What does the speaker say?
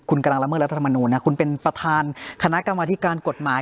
คุณกำลังละเมิดรัฐธรรมนูญนะคุณเป็นประธานคณะกรรมธิการกฎหมาย